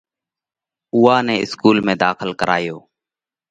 اُوئا نئہ اسڪُول ۾ ڌاخل ڪرِيه۔